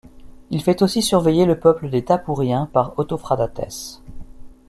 Il fait aussi surveiller le peuple des Tapouriens par Autophradatès.